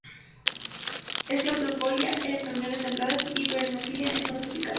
Es caducifolia en regiones templadas, y perennifolia en zonas tropicales.